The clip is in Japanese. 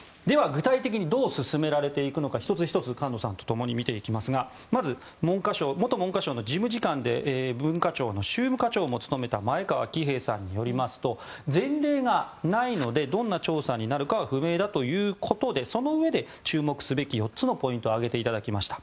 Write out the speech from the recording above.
具体的にどう進められるか１つ１つ菅野さんと共に見ていきますがまず元文部科学省の事務次官で文化庁の宗務課長も務めた前川喜平さんによりますと前例がないのでどんな調査になるかは不明だということでそのうえで注目すべき４つのポイントを挙げていただきました。